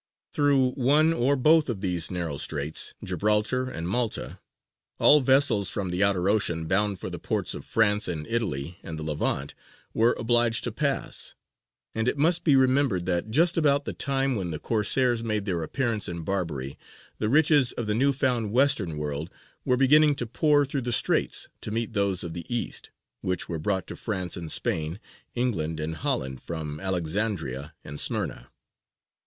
_)] Through one or both of these narrow straits, Gibraltar and Malta, all vessels from the outer ocean bound for the ports of France and Italy and the Levant, were obliged to pass; and it must be remembered that just about the time when the Corsairs made their appearance in Barbary, the riches of the new found Western world were beginning to pour through the straits to meet those of the East, which were brought to France and Spain, England and Holland, from Alexandria and Smyrna.